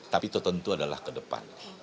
tapi itu tentu adalah ke depan